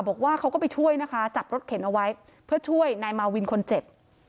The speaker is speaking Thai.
บอกว่าเขาก็ไปช่วยนะคะจับรถเข็นเอาไว้เพื่อช่วยนายมาวินคนเจ็บ